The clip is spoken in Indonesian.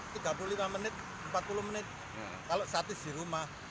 tiga puluh lima menit empat puluh menit kalau statis di rumah